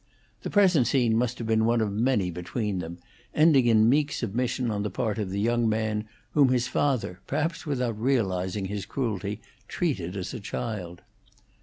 The present scene must have been one of many between them, ending in meek submission on the part of the young man, whom his father, perhaps without realizing his cruelty, treated as a child.